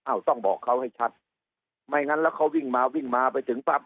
ต้องบอกเขาให้ชัดไม่งั้นแล้วเขาวิ่งมาวิ่งมาไปถึงปั๊บ